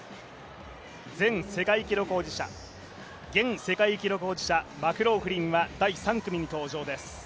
前世界記録保持者現世界記録保持者マクローフリンは第３組に登場です